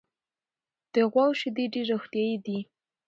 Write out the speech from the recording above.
د غواوو شیدې ډېرې روغتیایي دي.